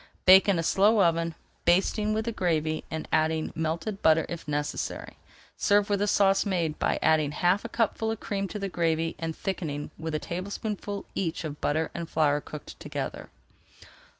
Bake in a slow oven, basting with the gravy, and adding melted butter if necessary. Serve with a sauce made by adding half a cupful of cream to the gravy and thickening with a tablespoonful each of butter and flour cooked together.